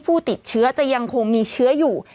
ผู้ติดเชื้อจะยังคงมีเชื้ออยู่